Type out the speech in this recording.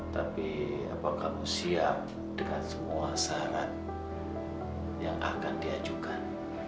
tapi apa kamu siap dengan semua syarat yang akan diajukan